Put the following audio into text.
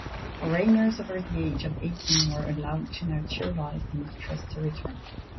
Foreigners over the age of eighteen were allowed to naturalize in the Trust Territory.